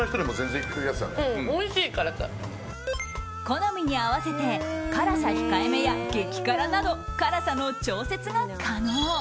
好みに合わせて辛さ控えめや激辛など、辛さの調節が可能。